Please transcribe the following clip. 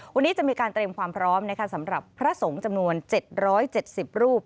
วันนี้จะมีการเตรียมความพร้อมสำหรับพระสงฆ์จำนวน๗๗๐รูป